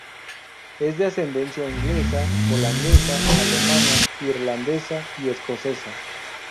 Es de ascendencia inglesa, holandesa, alemana, irlandesa, y escocesa.